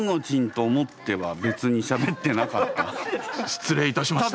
失礼いたしました。